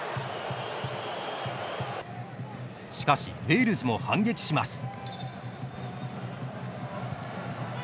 しかしウェールズも反撃します。